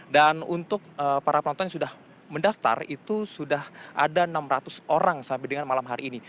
dan untuk para penonton yang sudah mendaftar itu sudah ada enam ratus orang sampai dengan malam hari ini